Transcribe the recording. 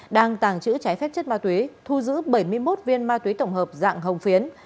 đang tàng trữ trái phép chất ma túy thu giữ bảy mươi một viên ma túy tổng hợp dạng hồng phiến